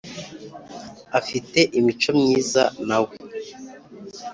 Afite imico myiza nawe